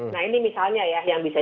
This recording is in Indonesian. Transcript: nah ini misalnya ya yang bisa